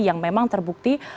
yang memang terbukti